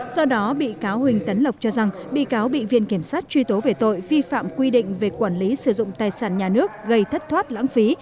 do đó bị cáo huỳnh tấn lộc cho rằng bị cáo bị viên kiểm sát truy tố về tội vi phạm quy định về quản lý sử dụng tài sản nhà nước gây thất thoát lãng phí